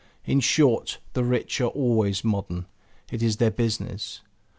In short, the rich are always modern; it is their business.